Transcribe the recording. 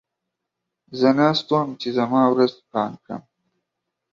زه ناست وم چې زما ورځ پلان کړم.